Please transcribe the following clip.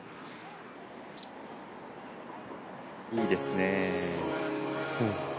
いいですね。